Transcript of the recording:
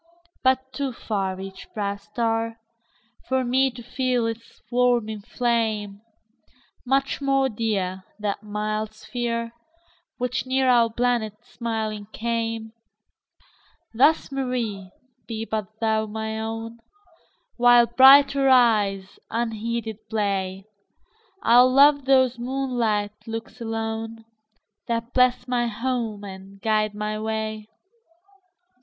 But too farEach proud star, For me to feel its warming flame; Much more dear, That mild sphere, Which near our planet smiling came; Thus, Mary, be but thou my own; While brighter eyes unheeded play, I'll love those moonlight looks alone, That bless my home and guide my way.